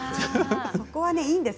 そこはいいんです。